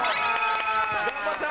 頑張った！